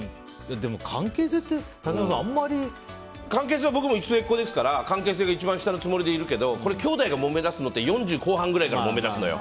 でも関係性って関係性は僕も末っ子ですから関係性では一番下のつもりでいるけどこれきょうだいがもめだすのって４０後半くらいからもめだすのよ。